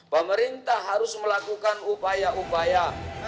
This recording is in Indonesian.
pemerintah harus melakukan upaya upaya